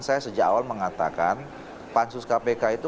saya sejak awal mengatakan pansus kpk itu